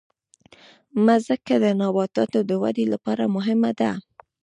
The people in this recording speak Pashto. مځکه د نباتاتو د ودې لپاره مهمه ده.